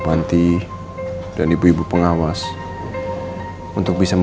mereka terus apa ya billie